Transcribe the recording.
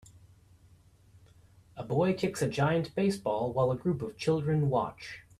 A boy kicks a giant baseball while a group of children watch.